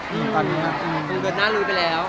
คุณเกิดหน้าลุยไปแล้ว